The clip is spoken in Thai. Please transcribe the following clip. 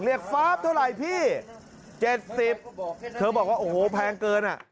เรียกฟาร์ฟเท่าไรพี่๗๐เธอบอกว่าโอ้โหแพงเกิน